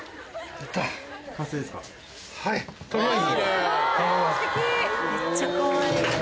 めっちゃかわいい。